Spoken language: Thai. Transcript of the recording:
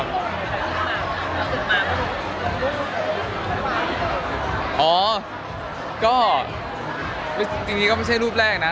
จริงนี่ก็ไม่ใช่รูปแรกนะ